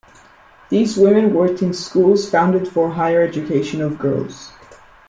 These women worked in schools founded for higher education of girls.